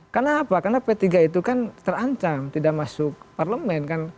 karena apa karena p tiga itu kan terancam tidak masuk parlemen kan